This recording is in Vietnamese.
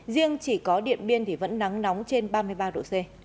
riêng chỉ có điện biên thì vẫn nắng nóng trên ba mươi ba độ c